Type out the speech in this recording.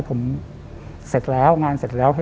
ผมเสร็จแล้วงานเสร็จแล้ว